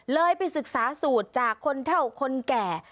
เลยไปศึกษาสูตรจากคนแถวคนแก่